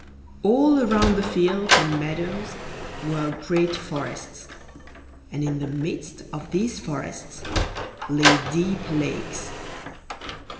All around the fields and meadows were great forests, and in the midst of these forests lay deep lakes.